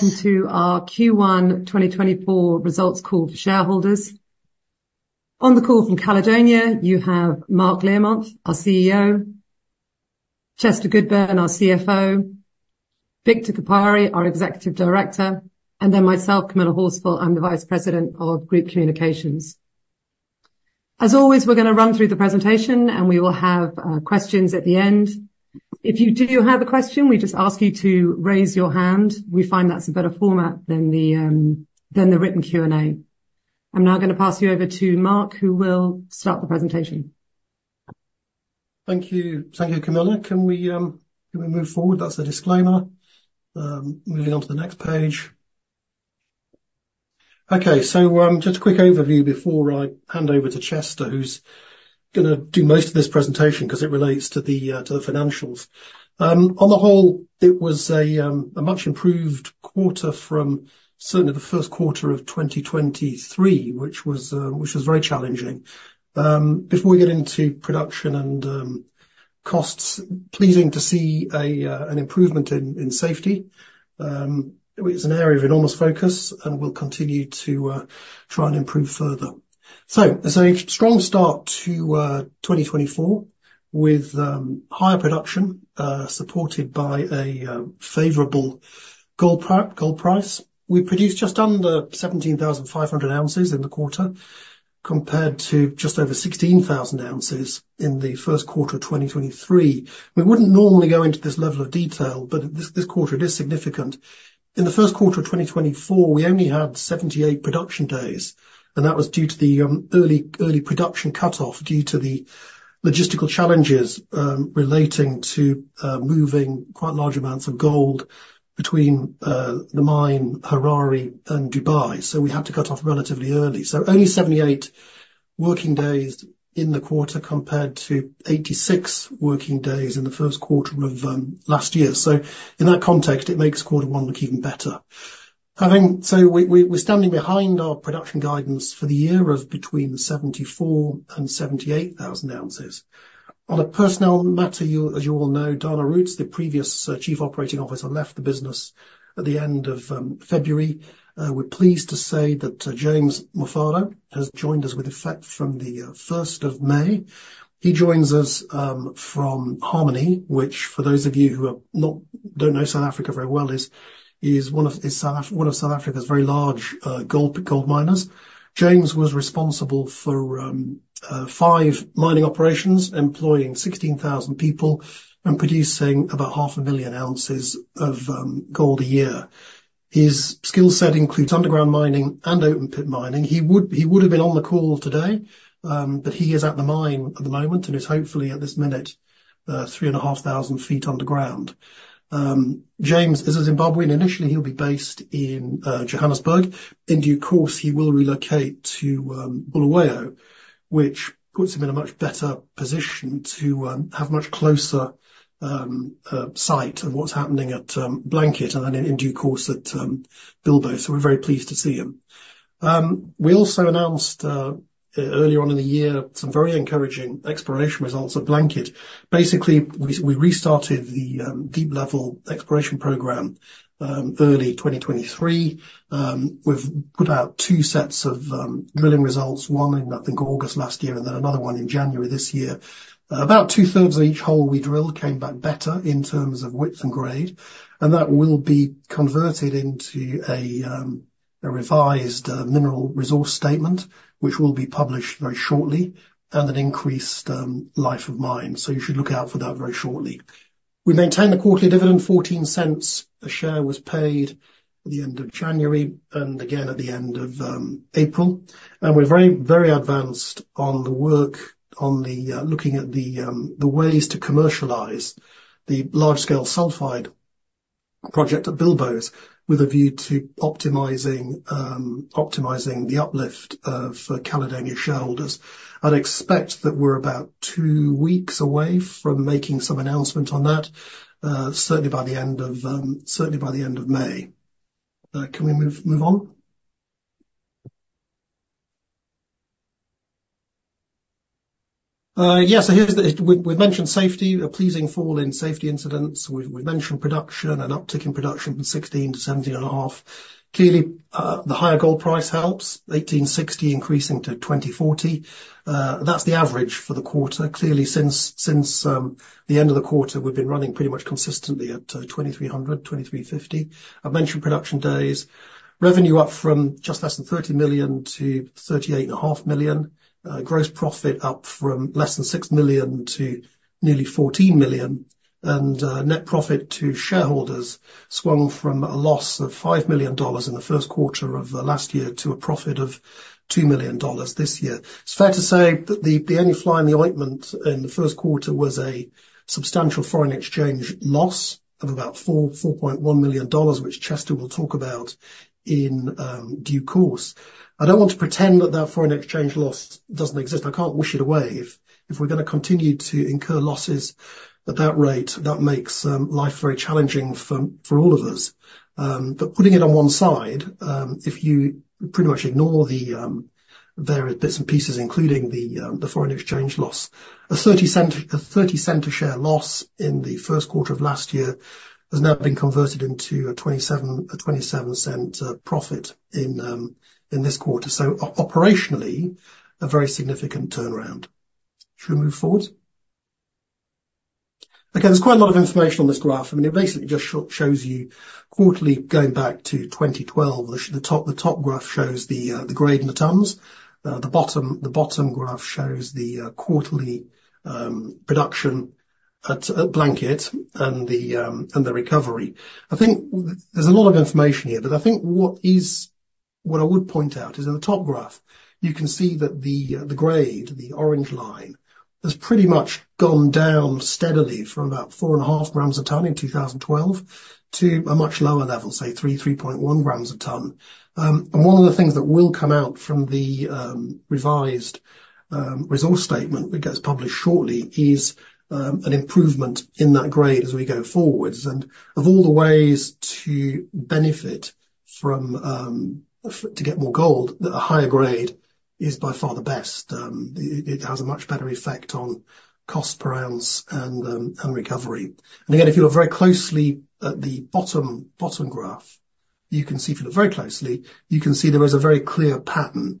Welcome to our Q1 2024 results call for shareholders. On the call from Caledonia, you have Mark Learmonth, our CEO, Chester Goodburn, our CFO, Victor Gapare, our Executive Director, and then myself, Camilla Horsfall. I'm the Vice President of Group Communications. As always, we're going to run through the presentation, and we will have questions at the end. If you do have a question, we just ask you to raise your hand. We find that's a better format than the written Q&A. I'm now going to pass you over to Mark, who will start the presentation. Thank you. Thank you, Camilla. Can we move forward? That's a disclaimer. Moving on to the next page. Okay, so just a quick overview before I hand over to Chester, who's going to do most of this presentation because it relates to the financials. On the whole, it was a much improved quarter from certainly the Q1 of 2023, which was very challenging. Before we get into production and costs, pleasing to see an improvement in safety. It's an area of enormous focus, and we'll continue to try and improve further. So it's a strong start to 2024 with higher production supported by a favorable gold price. We produced just under 17,500 ounces in the quarter compared to just over 16,000 ounces in the Q1 of 2023. We wouldn't normally go into this level of detail, but this quarter it is significant. In the Q1 of 2024, we only had 78 production days, and that was due to the early production cutoff due to the logistical challenges relating to moving quite large amounts of gold between the mine, Harare, and Dubai. So we had to cut off relatively early. So only 78 working days in the quarter compared to 86 working days in the Q1 of last year. So in that context, it makes quarter one look even better. So we're standing behind our production guidance for the year of between 74,000 and 78,000 ounces. On a personnel matter, as you all know, Dana Roets, the previous Chief Operating Officer, left the business at the end of February. We're pleased to say that James Mufara has joined us with effect from May 1st. He joins us from Harmony, which, for those of you who don't know South Africa very well, is one of South Africa's very large gold miners. James was responsible for five mining operations, employing 16,000 people, and producing about 500,000 ounces of gold a year. His skill set includes underground mining and open pit mining. He would have been on the call today, but he is at the mine at the moment, and is hopefully at this minute 3,500 feet underground. James is in Zimbabwe, and initially he'll be based in Johannesburg. In due course, he will relocate to Bulawayo, which puts him in a much better position to have a much closer sight of what's happening at Blanket and then, in due course, at Bilboes. So we're very pleased to see him. We also announced earlier on in the year some very encouraging exploration results at Blanket. Basically, we restarted the deep-level exploration program early 2023. We've put out two sets of drilling results, one in, I think, August last year and then another one in January this year. About 2/3 will be published very shortly, and an increased life of mine. So you should look out for that very shortly. We maintain the quarterly dividend: $0.14 a share was paid at the end of January and, again, at the end of April. We're very, very advanced on the work on looking at the ways to commercialize the large-scale sulfide project at Bilboes with a view to optimizing the uplift of Caledonia's shareholders. I'd expect that we're about two weeks away from making some announcement on that, certainly by the end of May. Can we move on? Yes, so here's the we've mentioned safety, a pleasing fall in safety incidents. We've mentioned production and uptick in production from 16 to 17.5. Clearly, the higher gold price helps, $1,860 increasing to $2,040. That's the average for the quarter. Clearly, since the end of the quarter, we've been running pretty much consistently at $2,300, $2,350. I've mentioned production days. Revenue up from just less than $30 million to $38.5 million. Gross profit up from less than $6 million to nearly $14 million. And net profit to shareholders swung from a loss of $5 million in the Q1 of last year to a profit of $2 million this year. It's fair to say that the only fly in the ointment in the Q1 was a substantial foreign exchange loss of about $4.1 million, which Chester will talk about in due course. I don't want to pretend that that foreign exchange loss doesn't exist. I can't wish it away. If we're going to continue to incur losses at that rate, that makes life very challenging for all of us. But putting it on one side, if you pretty much ignore the various bits and pieces, including the foreign exchange loss, a $0.30 a share loss in the Q1 of last year has now been converted into a $0.27 profit in this quarter. So, operationally, a very significant turnaround. Should we move forward? Okay, there's quite a lot of information on this graph. I mean, it basically just shows you quarterly going back to 2012. The top graph shows the grade in the tons. The bottom graph shows the quarterly production at Blanket and the recovery. I think there's a lot of information here, but I think what I would point out is, in the top graph, you can see that the grade, the orange line, has pretty much gone down steadily from about 4.5 grams a ton in 2012 to a much lower level, say 3, 3.1 grams a ton. One of the things that will come out from the revised resource statement that gets published shortly is an improvement in that grade as we go forward. Of all the ways to benefit from to get more gold, a higher grade is by far the best. It has a much better effect on cost per ounce and recovery. Again, if you look very closely at the bottom graph, you can see there is a very clear pattern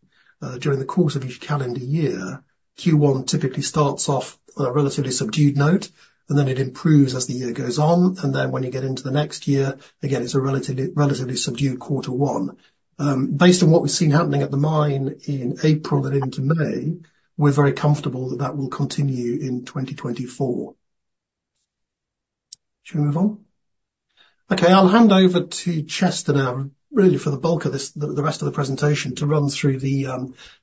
during the course of each calendar year. Q1 typically starts off on a relatively subdued note, and then it improves as the year goes on. And then, when you get into the next year, again, it's a relatively subdued quarter one. Based on what we've seen happening at the mine in April and into May, we're very comfortable that that will continue in 2024. Should we move on? Okay, I'll hand over to Chester now, really, for the bulk of this the rest of the presentation, to run through the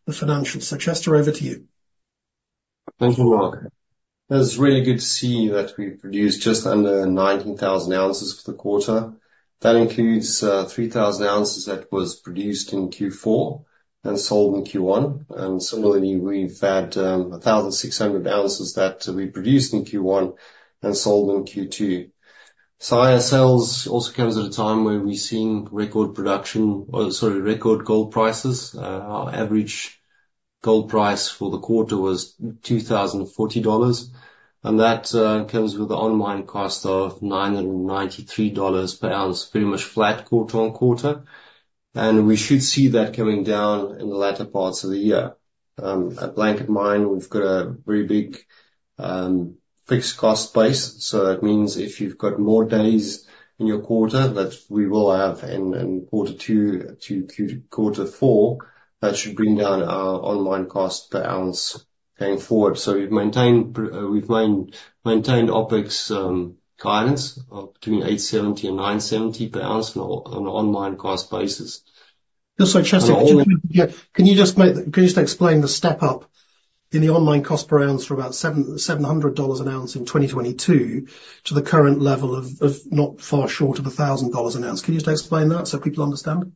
financials. So, Chester, over to you. Thank you, Mark. It's really good to see that we've produced just under 19,000 ounces for the quarter. That includes 3,000 ounces that was produced in Q4 and sold in Q1. And similarly, we've had 1,600 ounces that we produced in Q1 and sold in Q2. So higher sales also comes at a time where we're seeing record production or, sorry, record gold prices. Our average gold price for the quarter was $2,040, and that comes with the on-mine cost of $993 per ounce, pretty much flat quarter-over-quarter. And we should see that coming down in the latter parts of the year. At Blanket Mine, we've got a very big fixed cost base. So that means if you've got more days in your quarter that we will have in Q2 to Q4, that should bring down our on-mine cost per ounce going forward. So we've maintained OpEx guidance of between $870-$970 per ounce on an On-Mine Cost basis. Yeah, so, Chester, can you just explain the step-up in the On-Mine Cost per ounce from about $700 an ounce in 2022 to the current level of not far short of $1,000 an ounce? Can you just explain that so people understand?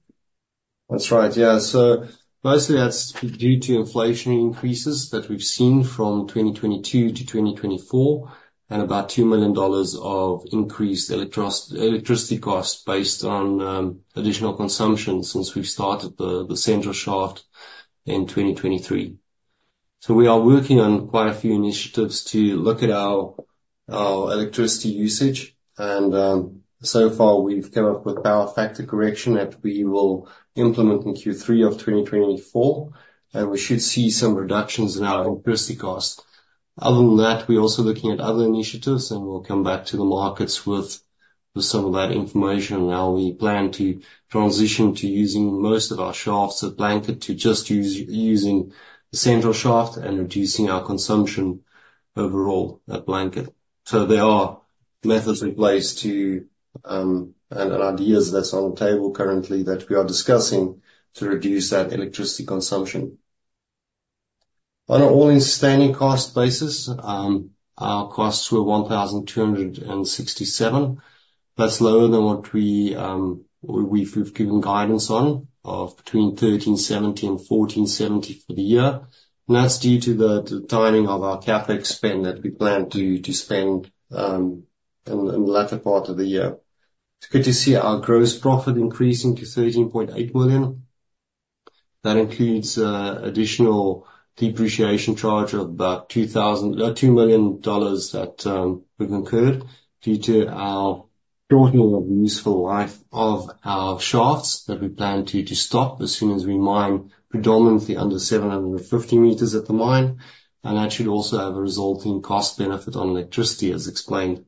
That's right, yeah. So mostly that's due to inflation increases that we've seen from 2022-2024 and about $2 million of increased electricity costs based on additional consumption since we've started the central shaft in 2023. So we are working on quite a few initiatives to look at our electricity usage. And so far, we've come up with power factor correction that we will implement in Q3 of 2024, and we should see some reductions in our electricity costs. Other than that, we're also looking at other initiatives, and we'll come back to the markets with some of that information. Now, we plan to transition to using most of our shafts at Blanket to just using the central shaft and reducing our consumption overall at Blanket. So there are methods in place and ideas that's on the table currently that we are discussing to reduce that electricity consumption. On an all-in sustaining cost basis, our costs were $1,267. That's lower than what we've given guidance on, of between $1,370-$1,470 for the year. That's due to the timing of our CapEx spend that we plan to spend in the latter part of the year. It's good to see our gross profit increasing to $13.8 million. That includes an additional depreciation charge of about $2 million that we've incurred due to our shortening of the useful life of our shafts that we plan to stop as soon as we mine predominantly under 750 meters at the mine. That should also have a resulting cost benefit on electricity, as explained.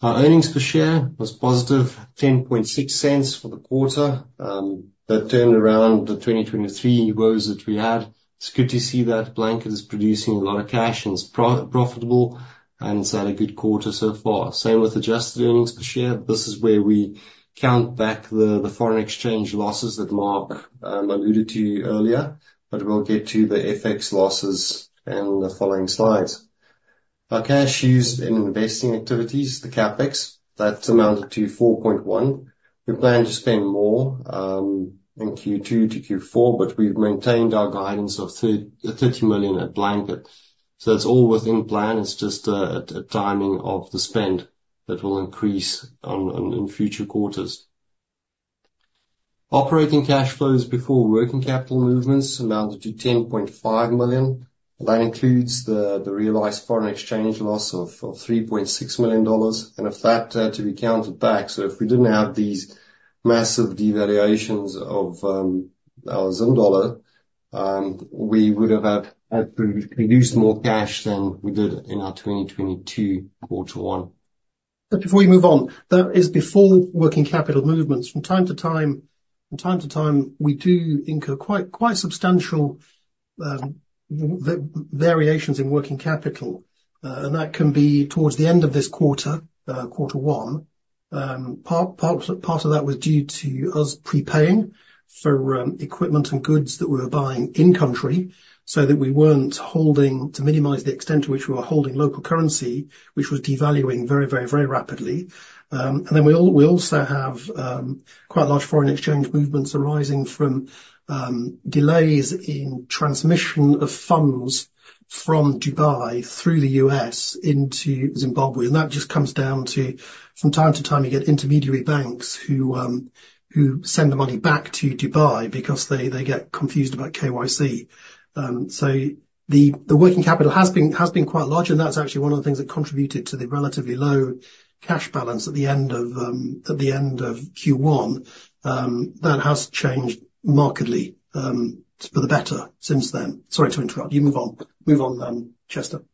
Our earnings per share was positive: $0.106 for the quarter. That turned around the 2023 woes that we had. It's good to see that Blanket is producing a lot of cash and is profitable, and it's had a good quarter so far. Same with adjusted earnings per share. This is where we add back the foreign exchange losses that Mark alluded to earlier, but we'll get to the FX losses in the following slides. Our cash used in investing activities, the CapEx, that's amounted to $4.1 million. We plan to spend more in Q2-Q4, but we've maintained our guidance of $30 million at Blanket. That's all within plan. It's just a timing of the spend that will increase in future quarters. Operating cash flows before working capital movements amounted to $10.5 million. That includes the realized foreign exchange loss of $3.6 million. If that were to be counted back, so if we didn't have these massive devaluations of our Zim dollar, we would have produced more cash than we did in our 2022 quarter one. But before we move on, that is before working capital movements. From time to time, we do incur quite substantial variations in working capital, and that can be towards the end of this quarter, quarter one. Part of that was due to us prepaying for equipment and goods that we were buying in-country so that we weren't holding to minimise the extent to which we were holding local currency, which was devaluing very rapidly. And then we also have quite large foreign exchange movements arising from delays in transmission of funds from Dubai through the U.S. into Zimbabwe. And that just comes down to, from time to time, you get intermediary banks who send the money back to Dubai because they get confused about KYC. The working capital has been quite large, and that's actually one of the things that contributed to the relatively low cash balance at the end of Q1. That has changed markedly for the better since then. Sorry to interrupt. You move on. Move on then, Chester.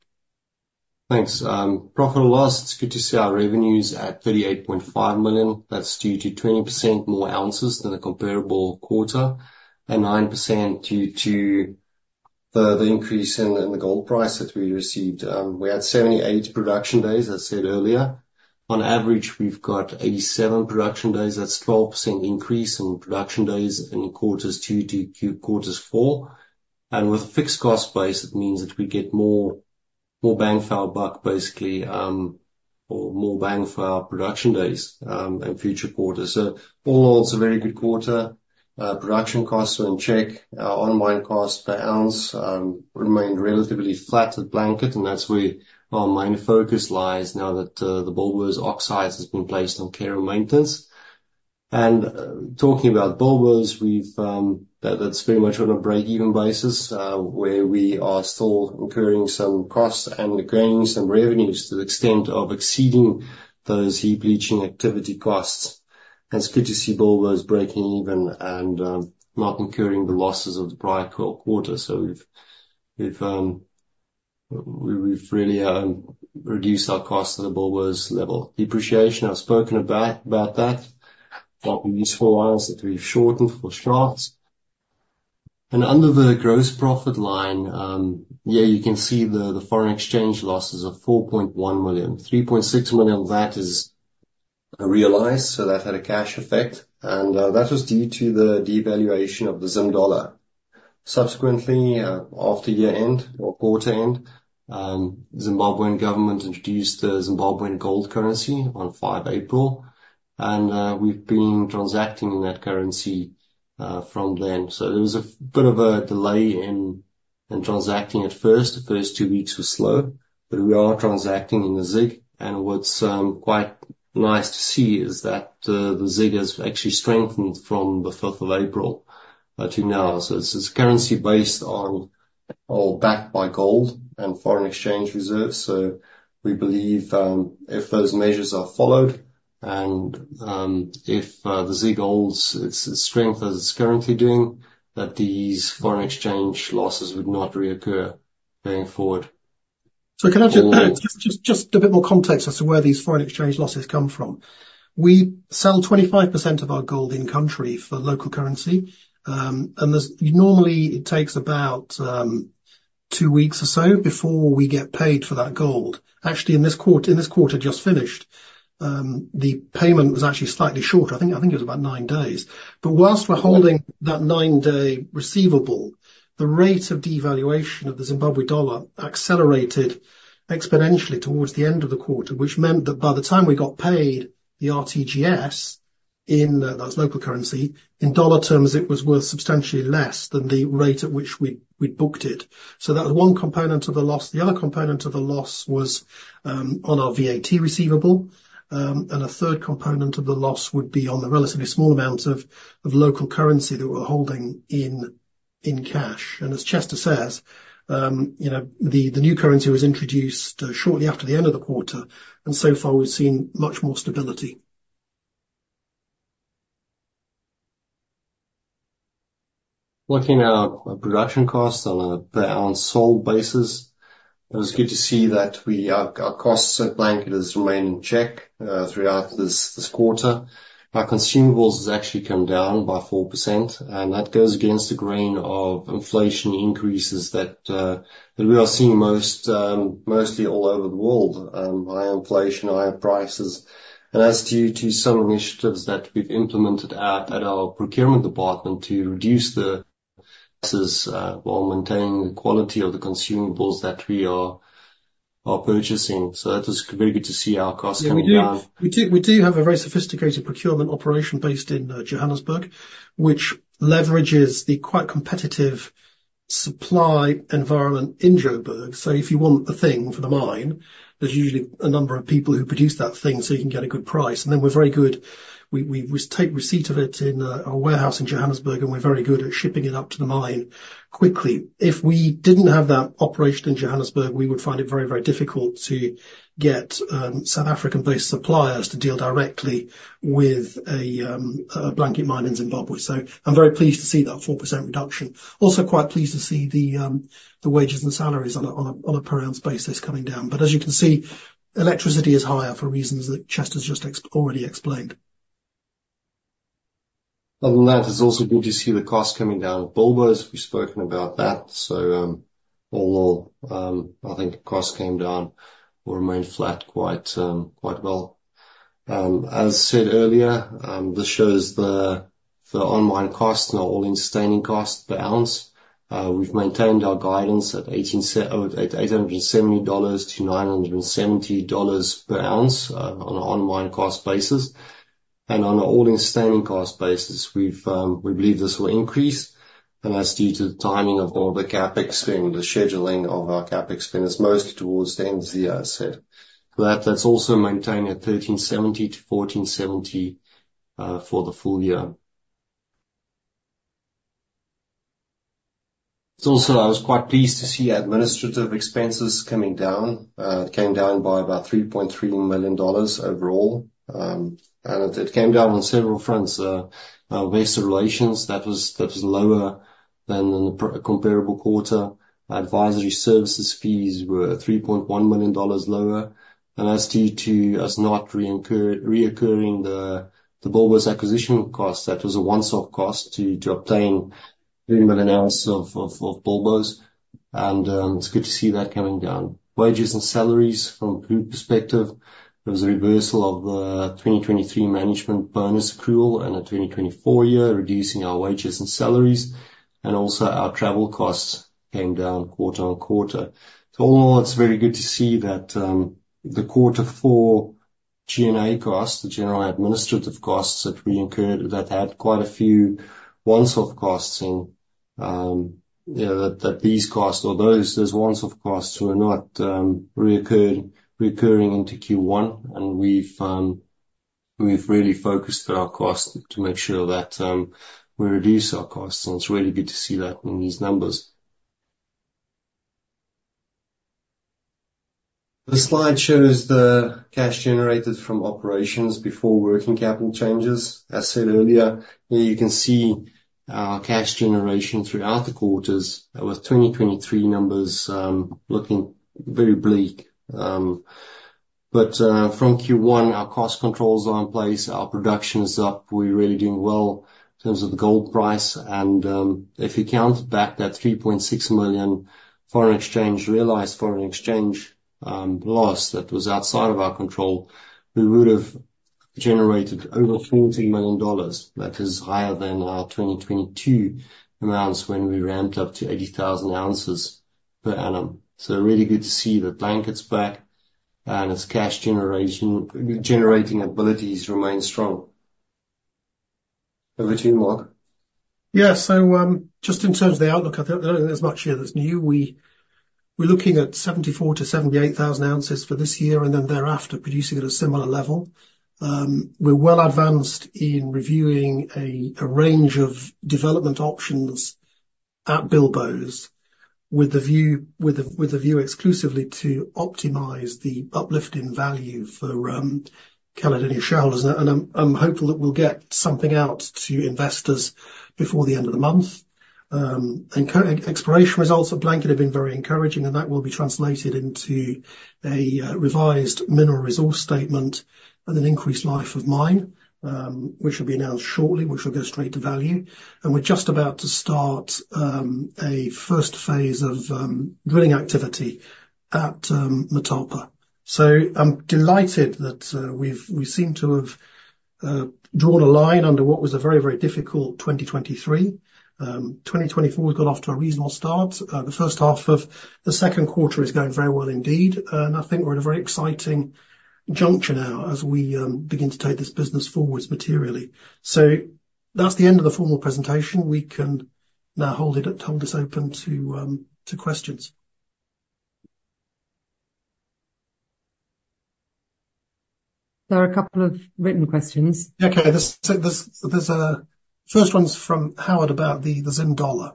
Thanks. Profit and loss, it's good to see our revenues at $38.5 million. That's due to 20% more ounces than the comparable quarter and 9% due to the increase in the gold price that we received. We had 78 production days, as I said earlier. On average, we've got 87 production days. That's a 12% increase in production days in Q2-Q4. And with a fixed cost base, it means that we get more bang for buck, basically, or more bang for production days in future quarters. So, all in all, it's a very good quarter. Production costs are in check. Our on-mine cost per ounce remained relatively flat at Blanket, and that's where our main focus lies now that the Bilboes oxides have been placed on care and maintenance. Talking about Bilboes, that's pretty much on a break-even basis where we are still incurring some costs and gaining some revenues to the extent of exceeding those heap leaching activity costs. It's good to see Bilboes breaking even and not incurring the losses of the prior quarter. So we've really reduced our costs at a Bilboes level. Depreciation, I've spoken about that. A lot of useful ounce that we've shortened for shafts. Under the gross profit line, yeah, you can see the foreign exchange losses of $4.1 million. $3.6 million, that is realized. So that had a cash effect. And that was due to the devaluation of the Zim dollar. Subsequently, after year-end or quarter-end, the Zimbabwean government introduced the Zimbabwean gold currency on April 5th, and we've been transacting in that currency from then. So there was a bit of a delay in transacting at first. The first two weeks were slow, but we are transacting in the ZiG. What's quite nice to see is that the ZiG has actually strengthened from the 5th of April to now. It's currency based on or backed by gold and foreign exchange reserves. We believe if those measures are followed and if the ZiG holds its strength as it's currently doing, that these foreign exchange losses would not reoccur going forward. So can I just add just a bit more context as to where these foreign exchange losses come from? We sell 25% of our gold in-country for local currency, and normally it takes about two weeks or so before we get paid for that gold. Actually, in this quarter just finished, the payment was actually slightly shorter. I think it was about nine days. But whilst we're holding that nine-day receivable, the rate of devaluation of the Zimbabwe dollar accelerated exponentially towards the end of the quarter, which meant that by the time we got paid, the RTGS in that's local currency. In dollar terms, it was worth substantially less than the rate at which we'd booked it. So that was one component of the loss. The other component of the loss was on our VAT receivable, and a third component of the loss would be on the relatively small amount of local currency that we were holding in cash. As Chester says, the new currency was introduced shortly after the end of the quarter, and so far we've seen much more stability. Looking at production costs on a per ounce sold basis, it was good to see that our costs at Blanket have remained in check throughout this quarter. Our consumables have actually come down by 4%, and that goes against the grain of inflation increases that we are seeing mostly all over the world: higher inflation, higher prices. That's due to some initiatives that we've implemented at our procurement department to reduce the prices while maintaining the quality of the consumables that we are purchasing. That was very good to see our costs coming down. We do have a very sophisticated procurement operation based in Johannesburg, which leverages the quite competitive supply environment in Jo'burg. So if you want a thing for the mine, there's usually a number of people who produce that thing so you can get a good price. And then we're very good, we take receipt of it in our warehouse in Johannesburg, and we're very good at shipping it up to the mine quickly. If we didn't have that operation in Johannesburg, we would find it very, very difficult to get South African-based suppliers to deal directly with Blanket Mine in Zimbabwe. So I'm very pleased to see that 4% reduction. Also quite pleased to see the wages and salaries on a per-ounce basis coming down. But as you can see, electricity is higher for reasons that Chester's just already explained. Other than that, it's also good to see the costs coming down. Bilboes, we've spoken about that. So all in all, I think costs came down or remained flat quite well. As said earlier, this shows the on-mine costs, now all-in sustaining costs per ounce. We've maintained our guidance at $870-$970 per ounce on an on-mine cost basis. And on an all-in sustaining cost basis, we believe this will increase. And that's due to the timing of all the CapEx spend. The scheduling of our CapEx spend is mostly towards the end of the year, as I said. So that's also maintained at $1,370-$1,470 for the full year. Also, I was quite pleased to see administrative expenses coming down. It came down by about $3.3 million overall. And it came down on several fronts. Investor relations, that was lower than in the comparable quarter. Advisory services fees were $3.1 million lower. And that's due to us not recurring the Bilboes acquisition costs. That was a one-off cost to obtain 3 million ounces of Bilboes. And it's good to see that coming down. Wages and salaries, from a perspective, there was a reversal of the 2023 management bonus accrual in a 2024 year, reducing our wages and salaries. And also our travel costs came down quarter-on-quarter. So all in all, it's very good to see that the Q4 G&A costs, the general administrative costs that we incurred, that had quite a few one-off costs in that these costs, or those one-off costs which are not recurring into Q1. And we've really focused on our costs to make sure that we reduce our costs. And it's really good to see that in these numbers. The slide shows the cash generated from operations before working capital changes. As said earlier, here you can see our cash generation throughout the quarters with 2023 numbers looking very bleak. But from Q1, our cost controls are in place. Our production is up. We're really doing well in terms of the gold price. And if you counted back that $3.6 million realised foreign exchange loss that was outside of our control, we would have generated over $14 million. That is higher than our 2022 amounts when we ramped up to 80,000 ounces per annum. So really good to see that Blanket's back and its cash generating abilities remain strong. Over to you, Mark. Yeah. So just in terms of the outlook, I don't think there's much here that's new. We're looking at 74,000-78,000 ounces for this year and then thereafter, producing at a similar level. We're well advanced in reviewing a range of development options at Bilboes with the view exclusively to optimize the uplift in value for Caledonia shareholders. And I'm hopeful that we'll get something out to investors before the end of the month. And exploration results at Blanket have been very encouraging, and that will be translated into a revised mineral resource statement and an increased life of mine, which will be announced shortly, which will go straight to value. And we're just about to start a first phase of drilling activity at Motapa. So I'm delighted that we've seemed to have drawn a line under what was a very, very difficult 2023. 2024 has got off to a reasonable start. The first half of the Q2 is going very well indeed. I think we're at a very exciting juncture now as we begin to take this business forward materially. That's the end of the formal presentation. We can now hold this open to questions. There are a couple of written questions. Okay. The first one's from Howard about the ZIM dollar.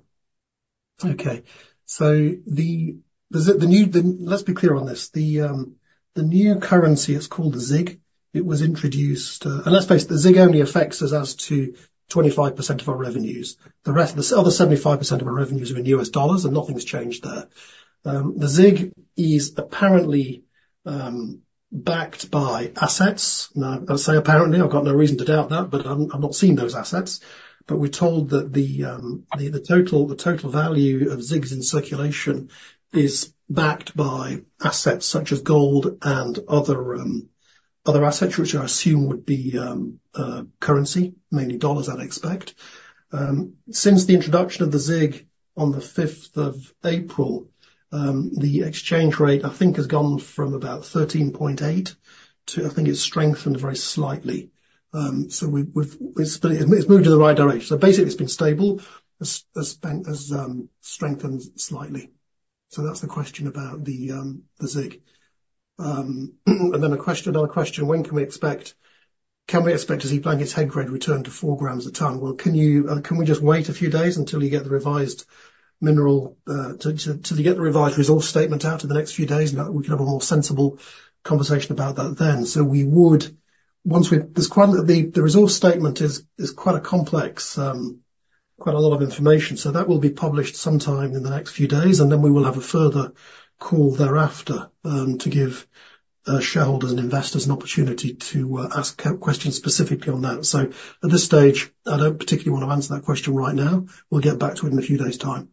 Okay. So let's be clear on this. The new currency, it's called the ZiG. It was introduced and let's face it, the ZiG only affects us as to 25% of our revenues. The other 75% of our revenues are in U.S. dollars, and nothing's changed there. The ZiG is apparently backed by assets. Now, I say apparently. I've got no reason to doubt that, but I've not seen those assets. But we're told that the total value of ZiGs in circulation is backed by assets such as gold and other assets, which I assume would be currency, mainly dollars, I'd expect. Since the introduction of the ZiG on the April 5th, the exchange rate, I think, has gone from about 13.8 to I think it's strengthened very slightly. So it's moved in the right direction. So basically, it's been stable. It's strengthened slightly. So that's the question about the ZiG. And then another question, when can we expect to see Blanket's headgrade return to 4 grams per tonne? Well, can we just wait a few days until you get the revised mineral resource statement out in the next few days? We can have a more sensible conversation about that then. So once we've the resource statement, it's quite complex, quite a lot of information. So that will be published sometime in the next few days, and then we will have a further call thereafter to give shareholders and investors an opportunity to ask questions specifically on that. So at this stage, I don't particularly want to answer that question right now. We'll get back to it in a few days' time.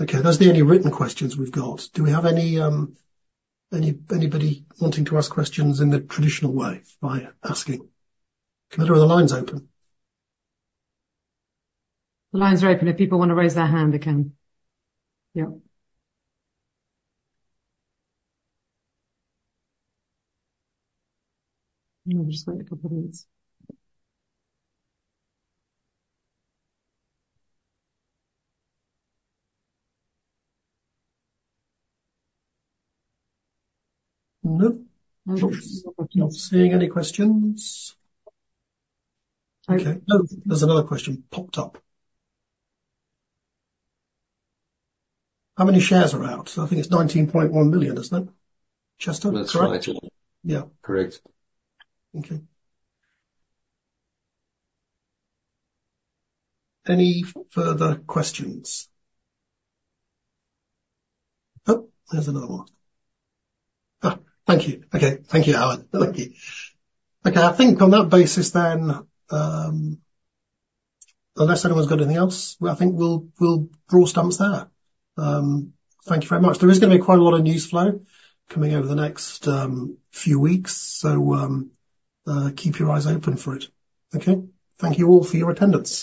Okay. That's the only written questions we've got. Do we have anybody wanting to ask questions in the traditional way by asking? Can I hear the lines open? The lines are open. If people want to raise their hand, they can. Yeah. I'll just wait a couple of minutes. No. Not seeing any questions. Okay. No, there's another question popped up. How many shares are out? So I think it's 19.1 million, isn't it, Chester? That's right. Correct. Yeah. Correct. Okay. Any further questions? Oh, there's another one. Thank you. Okay. Thank you, Howard. Thank you. Okay. I think on that basis then, unless anyone's got anything else, I think we'll draw stumps there. Thank you very much. There is going to be quite a lot of news flow coming over the next few weeks, so keep your eyes open for it. Okay? Thank you all for your attendance.